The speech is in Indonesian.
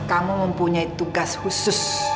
kamu mempunyai tugas khusus